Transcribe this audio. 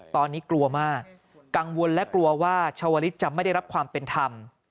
ตอนนี้กลัวมากกังวลและกลัวว่าชาวลิศจะไม่ได้รับความเป็นธรรม